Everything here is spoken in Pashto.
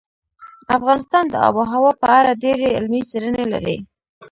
افغانستان د آب وهوا په اړه ډېرې علمي څېړنې لري.